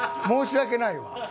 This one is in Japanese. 申し訳ないわ。